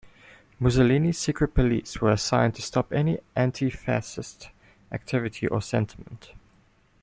Mussolini's secret police were assigned to stop any anti-Fascist activity or sentiment.